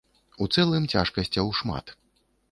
У цэлым, цяжкасцяў шмат.